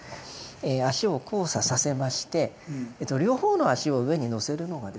足を交差させまして両方の足を上に乗せるのがですね